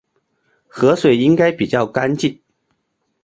河水应该比较干净